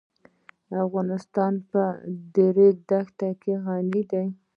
افغانستان په د ریګ دښتې غني دی.